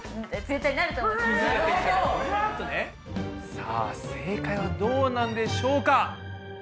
さあ正解はどうなんでしょうか？